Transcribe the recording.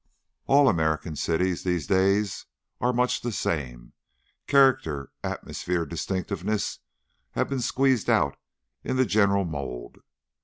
All American cities, these days, are much the same. Character, atmosphere, distinctiveness, have been squeezed out in the general mold.